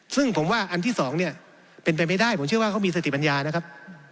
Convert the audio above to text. ซึ่งผมว่าอันที่สองเนี่ยเป็นไปไม่ได้ผมเชื่อว่าเขามีสติปัญญานะครับ